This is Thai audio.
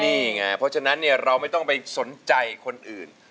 นี่ไงเพราะฉะนั้นเนี่ยเราไม่ต้องไปสนใจคนอื่น